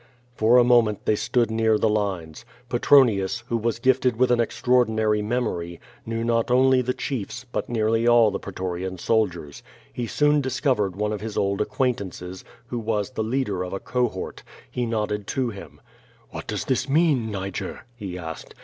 For a moment they stood near the lines. Petronius, who was gifted with an extraordinary memory, kne^v not only the chiefs, but nearly all the protorian soldiers. He soon dis covered one of his old acquaintances, who was the leader of a cohort. He nodded to him. "What docs this mean, Niger?" he asked.